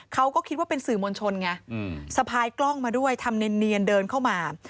เขาก็คิดว่าเป็นสื่อมวลชนไงสะพายกล้องมาด้วยทำเนียนเดินเข้ามา